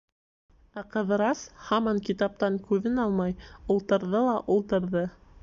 Ә Ҡыҙырас һаман китаптан күҙен алмай ултырҙы ла ултырҙы.